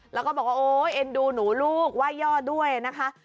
แล้วก็บอกว่าโอ๊ยเอ็นดูหนูลูกไหว้ย่อด้วยนะคะ